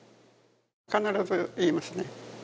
必ず言いますね。